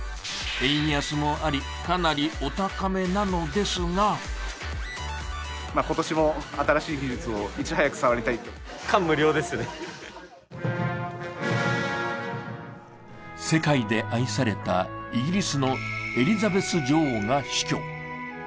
円安もあり、かなりお高めなのですが世界で愛されたイギリスのエリザベス女王が死去。